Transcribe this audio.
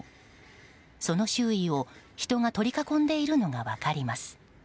その周囲を人が取り囲んでいるのが分かります。